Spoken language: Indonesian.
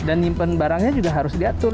dan nyimpen barangnya juga harus diatur